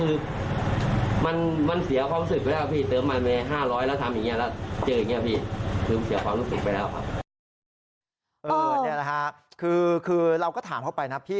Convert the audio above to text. นี่แหละค่ะคือเราก็ถามเขาไปนะพี่